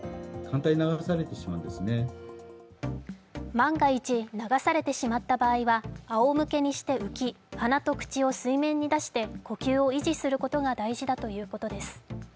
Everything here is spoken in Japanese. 万が一流されてしまった場合はあおむけにして浮き、鼻と口を水面に出して呼吸を維持することが大事だということです。